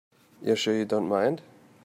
You're sure you don't mind?